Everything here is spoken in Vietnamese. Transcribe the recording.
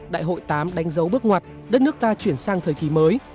đại hội tám đánh dấu bước ngoặt đất nước ta chuyển sang thời kỳ mới